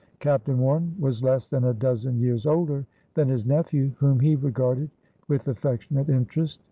Captain Warren was less than a dozen years older than his nephew, whom he regarded with affectionate interest.